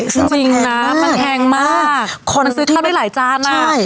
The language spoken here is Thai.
จริงจริงน่ะมันแพงมากมันซื้อข้าวได้หลายจานอ่ะใช่